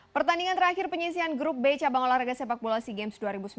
pertandingan terakhir penyisian grup b cabang olahraga sepak bola sea games dua ribu sembilan belas